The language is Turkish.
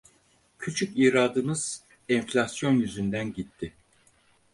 Küçük iradımız enflasyon yüzünden gitti.